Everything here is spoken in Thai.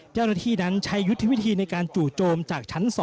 เจ้าหน้าที่นั้นใช้ยุทธวิธีในการจู่โจมจากชั้น๒